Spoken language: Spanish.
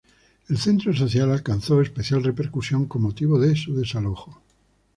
El centro social alcanzó especial repercusión con motivo de su desalojo.